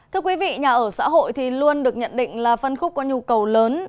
thưa quý vị nhà ở xã hội thì luôn được nhận định là phân khúc có nhu cầu lớn